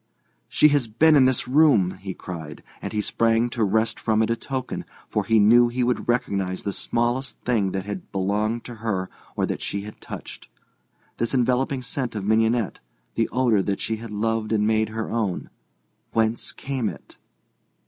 "She has been in this room," he cried, and he sprang to wrest from it a token, for he knew he would recognize the smallest thing that had belonged to her or that she had touched. This enveloping scent of mignonette, the odour that she had loved and made her own—whence came it?